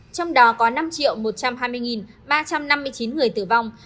trong đó có năm một trăm hai mươi ba trăm năm mươi chín người tử vong